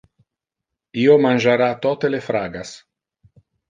Io mangiara tote le fragas.